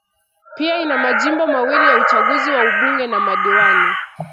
Pia ina majimbo mawili ya Uchaguzi wa ubunge na madiwani